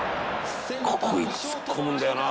「ここに突っ込むんだよな」